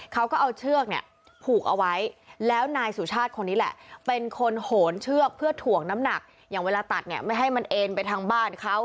เขาก็เอาเชือกเนี่ยผูกเอาไว้แล้วนายสุชาติคนนี้แหละเป็นคนโหนเชือกเพื่อถ่วงน้ำหนักอย่างเวลาตัดเนี่ยไม่ให้มันเอ็นไปทางบ้านเขา